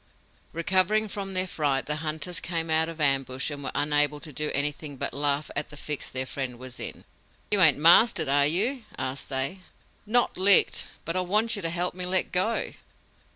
"Recovering from their fright the hunters came out of ambush and were unable to do anything but laugh at the fix their friend was in. "'You ain't mastered, are you?' asked they. "'Not licked, but I want you to help me let go!'"